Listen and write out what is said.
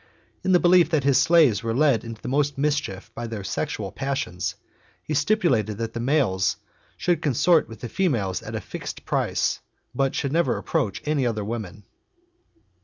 . In the belief that his slaves were led. into most mischief by their sexual passions, he stipulated that the males should consort with the females at a fixed price, but should never approach any other woman.